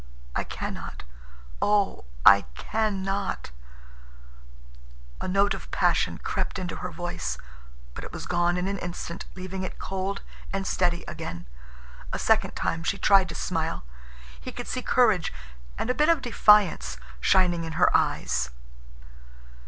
I can not. Oh, I can not." A note of passion crept into her voice, but it was gone in an instant, leaving it cold and steady again. A second time she tried to smile. He could see courage, and a bit of defiance, shining in her eyes.